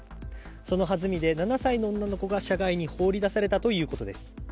そのはずみで、７歳の女の子が車外に放り出されたということです。